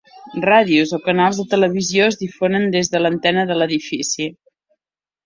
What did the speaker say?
Ràdios o canals de televisió es difonen des de l'antena de l'edifici.